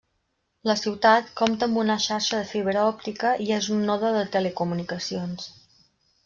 La ciutat compta amb una xarxa de fibra òptica i és un node de telecomunicacions.